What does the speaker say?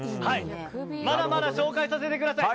まだまだ紹介させてください。